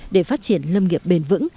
để phát triển lâm nghiệp bền vững